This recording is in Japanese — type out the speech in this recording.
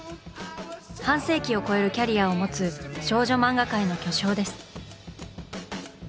半世紀を超えるキャリアを持つ少女漫画界の巨匠です。